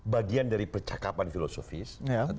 bagian dari percakapan filosofis